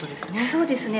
そうですね。